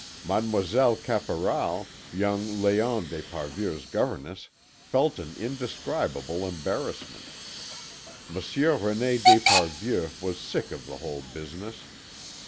Mademoiselle Caporal, young Léon d'Esparvieu's governess, felt an indescribable embarrassment. Monsieur René d'Esparvieu was sick of the whole business.